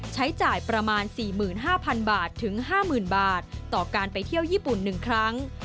ใช้จ่ายประมาณ๔๕๐๐๐บาทถึง๕๐๐๐บาทต่อการไปเที่ยวญี่ปุ่น๑ครั้ง